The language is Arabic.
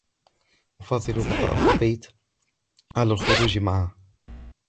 أفضل البقاء في البيت على الخروج معه.